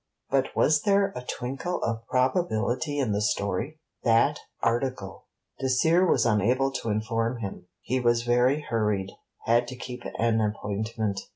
But was there a twinkle of probability in the story?... that article! Dacier was unable to inform him; he was very hurried, had to keep an appointment.